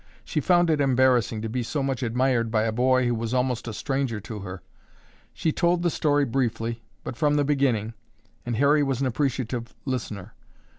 She found it embarrassing to be so much admired by a boy who was almost a stranger to her. She told the story briefly, but from the beginning, and Harry was an appreciative listener.